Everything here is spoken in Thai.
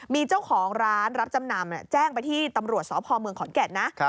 มีเจ้าของร้านรับจำนำแจ้งไปที่ตำรวจสพเมืองขอนแก่นนะ